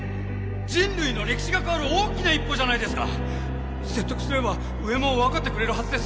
人類の歴史が変わる大きな一歩じゃないで説得すれば上も分かってくれるはずです